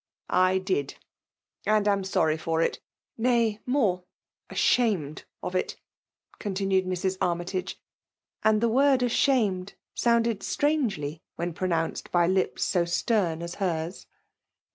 *' I did ; and am sorry for it ; nay, morc^ aehamed of it;" continued Mrs. Armytage; and the word " ashamed" sounded strange^ when pronounced by lips so stem as hers.